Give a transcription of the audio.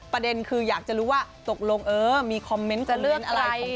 ประเด็นคืออยากจะรู้ว่าตกลงเออมีคอมเมนต์จะเลื่อนอะไร